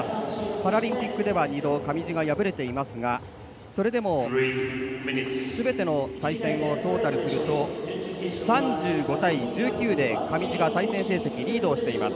パラリンピックでは２度上地が敗れていますがそれでも、すべての対戦をトータルすると３５対１９で上地が対戦成績でリードしています。